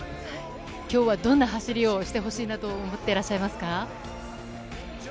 今日はどんな走りをしてほしいなと思ってらっしゃいますか？